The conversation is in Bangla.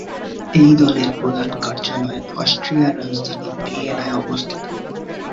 এই দলের প্রধান কার্যালয় অস্ট্রিয়ার রাজধানী ভিয়েনায় অবস্থিত।